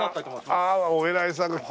ああお偉いさんが。